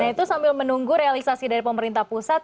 nah itu sambil menunggu realisasi dari pemerintah pusat